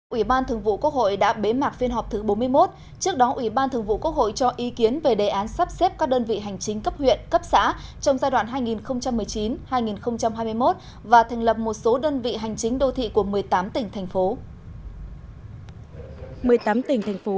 ủy ban thường vụ quốc hội đã bế mạc phiên họp thứ bốn mươi một trước đó ủy ban thường vụ quốc hội cho ý kiến về đề án sắp xếp các đơn vị hành chính cấp huyện cấp xã trong giai đoạn hai nghìn một mươi chín hai nghìn hai mươi một và thành lập một số đơn vị hành chính đô thị của một mươi tám tỉnh thành phố